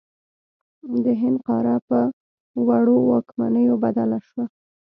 د هند قاره په وړو واکمنیو بدله شوه.